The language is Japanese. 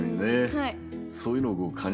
はい。